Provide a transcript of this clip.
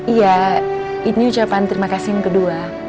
iya ini ucapan terima kasih yang kedua